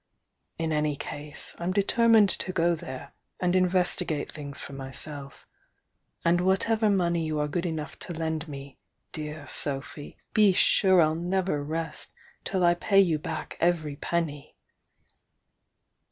In any case I'm deter mined to go there and investigate things for myself, —and whatever money you are good enough to lend me, dear Sophy, be sure I'll never rest till I pay you back every penny!"